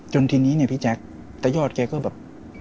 ทีนี้เนี่ยพี่แจ๊คตายอดแกก็แบบ